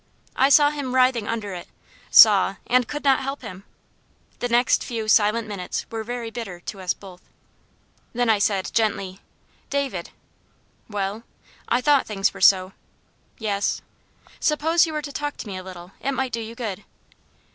I saw him writhing under it saw, and could not help him. The next few silent minutes were very bitter to us both. Then I said gently, "David!" "Well?" "I thought things were so." "Yes." "Suppose you were to talk to me a little it might do you good."